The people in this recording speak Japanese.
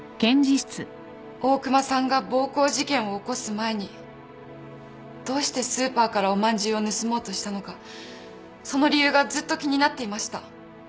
大熊さんが暴行事件を起こす前にどうしてスーパーからおまんじゅうを盗もうとしたのかその理由がずっと気になっていました。